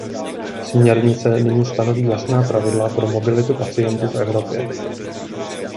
Směrnice nyní stanoví jasná pravidla pro mobilitu pacientů v Evropě.